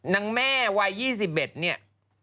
นางแม่วัย๒๑เนี่ย